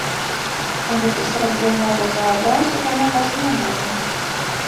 Але пісаць заяву за абразу я на вас не буду.